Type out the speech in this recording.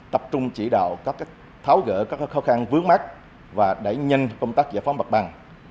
tập trung chỉ đạo các tháo gỡ các khó khăn vướng mát và đẩy nhanh công tác giải pháp mặt bằng